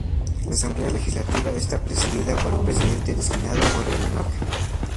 La Asamblea Legislativa está presidida por un Presidente, designado por el monarca.